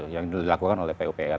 yang dilakukan oleh pupr